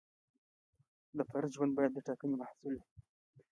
د فرد ژوند باید د ټاکنې محصول وي.